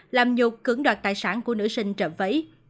làm nhục cứng đoạt tài sản của nữ sinh trộm váy